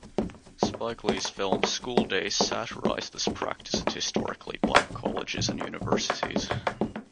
Spike Lee's film "School Daze" satirized this practice at historically black colleges and universities.